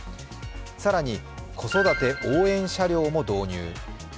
更に子育て応援車両も導入。